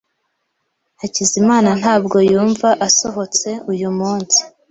Hakizimana ntabwo yumva asohotse uyu munsi.